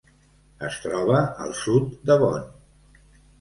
Es troba al sud de Bonn.